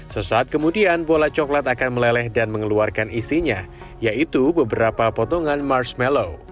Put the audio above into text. sesaat kemudian bola coklat akan meleleh dan mengeluarkan isinya yaitu beberapa potongan marshmallow